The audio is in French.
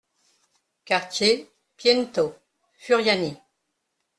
Quartier Piento, Furiani